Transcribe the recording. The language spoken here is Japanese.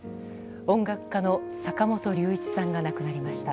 音楽家の坂本龍一さんが亡くなりました。